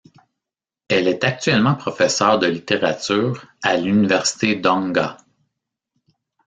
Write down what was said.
Elle est actuellement professeure de littérature à l'université Dong-a.